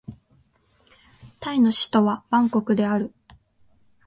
タイの首都はバンコクである